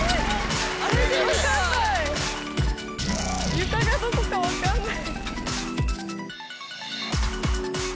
・床がどこか分かんない・